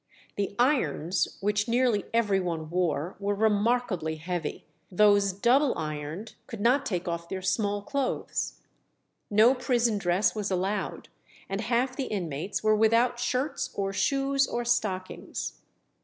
The irons, which nearly every one wore, were remarkably heavy; those double ironed could not take off their small clothes. No prison dress was allowed, and half the inmates were without shirts or shoes or stockings.